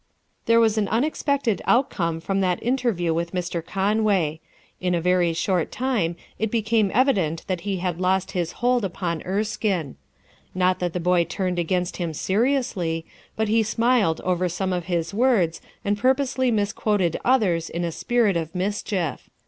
There was an unexpected outcome from that interview with Mr. Conway. In a very short time it became evident that he had lost his hold upon Erskine. Not that the boy turned against him seriously ; but he smiled over some of his words and purposely misquoted others in a spirit of mischief.